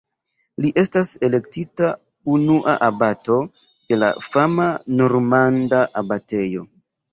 Li estas elektita unua abato de la fama normanda abatejo.